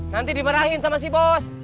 nanti dimarahin sama si bos